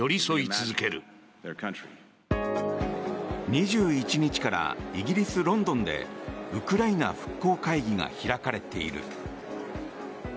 ２１日からイギリス・ロンドンでウクライナ復興会議が開かれている。